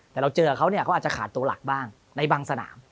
แต่เราเจอเขาเนี่ยเขาอาจจะขาดตัวหลักบ้างในบางสนาม